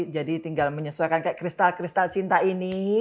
jadi tinggal menyesuaikan kristal kristal cinta ini